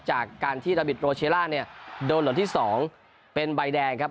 จากการที่โรเชลล่าเนี่ยโดนหลังที่สองเป็นใบแดงครับ